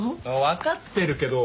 分かってるけど。